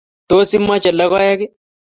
Tos imoche logoek ii?